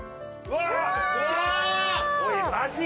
うわ！